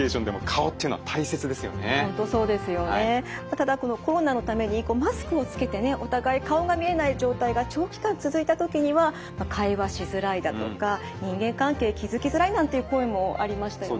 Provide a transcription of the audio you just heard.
ただこのコロナのためにこうマスクをつけてねお互い顔が見えない状態が長期間続いた時には「会話しづらい」だとか「人間関係築きづらい」なんていう声もありましたよね。